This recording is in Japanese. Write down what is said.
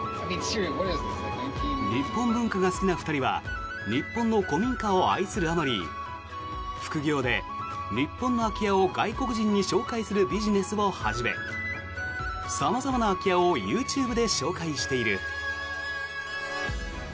日本文化が好きな２人は日本の古民家を愛するあまり副業で、日本の空き家を外国人に紹介するビジネスを始め様々な空き家をＹｏｕＴｕｂｅで紹介している。